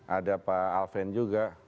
ada pak alven juga